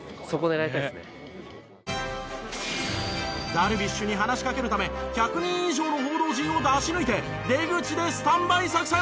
ダルビッシュに話しかけるため１００人以上の報道陣を出し抜いて出口でスタンバイ作戦。